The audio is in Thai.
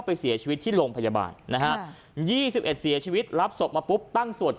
ไปเสียชีวิตที่โรงพยาบาลนะฮะ๒๑เสียชีวิตรับศพมาปุ๊บตั้งสวด